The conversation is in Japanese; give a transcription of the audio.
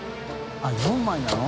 あっ４枚なの？